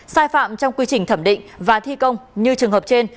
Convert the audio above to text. sai phạm trong quy trình thẩm định và thi công như trường hợp trên